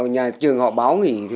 nhà trường họ báo nghỉ